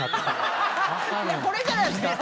これじゃないですか。